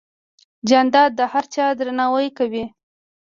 جانداد د هر چا درناوی کوي.